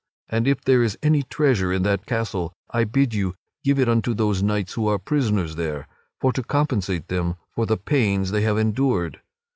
And if there is any treasure in that castle, I bid you give it unto those knights who are prisoners there, for to compensate them for the pains they have endured.